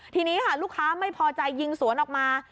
ทีนี้ค่ะลูกค้าไม่พอใจยิงสวนออกมา